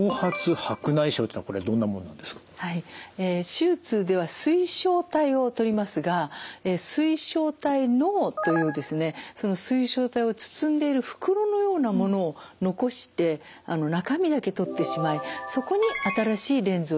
手術では水晶体を取りますが水晶体嚢というですね水晶体を包んでいる袋のようなものを残して中身だけ取ってしまいそこに新しいレンズを入れていきます。